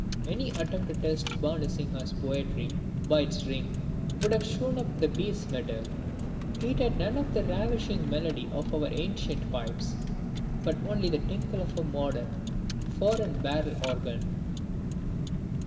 Any attempt to test Bhanu Singha's poetry by its ring would have shown up the base metal. It had none of the ravishing melody of our ancient pipes, but only the tinkle of a modern, foreign barrel organ.